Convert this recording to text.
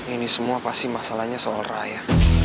ini semua pasti masalahnya soal raya